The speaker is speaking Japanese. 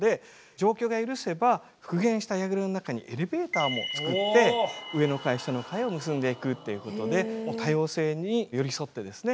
状況が許せば復元した櫓の中にエレベーターもつくって上の階下の階を結んでいくっていうことで多様性に寄り添ってですね